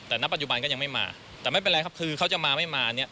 แต่ณปัจจุบันก็ยังไม่มาแต่ไม่เป็นไรครับคือเขาจะมาไม่มาเนี่ย